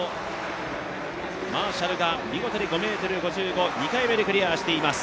マーシャルが見事に５ｍ５５、２回目にクリアしています。